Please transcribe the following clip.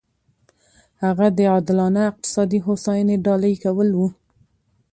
هغه د عادلانه اقتصادي هوساینې ډالۍ کول و.